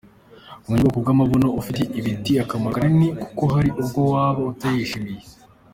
Kumenya ubwoko bw’amabuno ufite bifite akamaro kanini kuko hari ubwo waba utayishimiye.